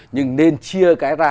nhưng nên chia cái ra